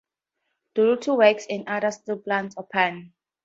Duluth Works and other steel plants opened.